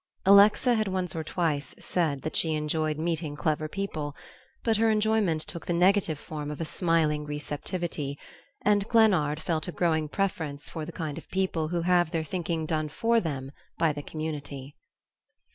Alexa had once or twice said that she enjoyed meeting clever people; but her enjoyment took the negative form of a smiling receptivity; and Glennard felt a growing preference for the kind of people who have their thinking done for them by the community.